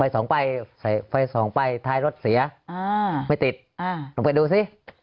ไฟสองไปไฟสองไปท้ายรถเสียอ่าไม่ติดอ่าผมไปดูสิ